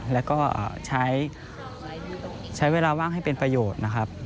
แล้วก็ใช้เวลาว่างให้เป็นประโยชน์นะครับ